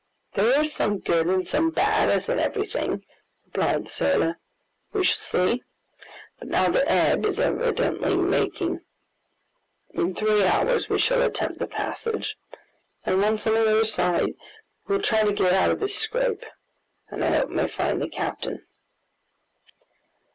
"There is some good and some bad, as in everything," replied the sailor. "We shall see. But now the ebb is evidently making. In three hours we will attempt the passage, and once on the other side, we will try to get out of this scrape, and I hope may find the captain."